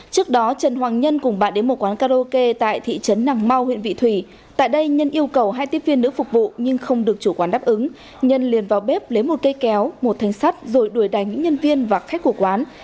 trước đó trần hoàng nhân cùng bạn đến một quán karaoke tại thị trấn nàng mau huyện vị thủy tại đây nhân yêu cầu hai tiếp viên nữ phục vụ nhưng không được chủ quán đáp ứng nhân liền vào bếp lấy một cây kéo một thanh sắt rồi đuổi đánh những nhân viên và khách của quán